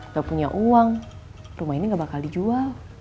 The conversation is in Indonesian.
gak punya uang rumah ini gak bakal dijual